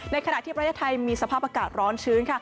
ขณะที่ประเทศไทยมีสภาพอากาศร้อนชื้นค่ะ